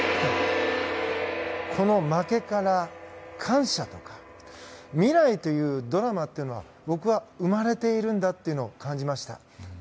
この負けから感謝とか未来というドラマというのは僕は生まれているんだというのを感じました。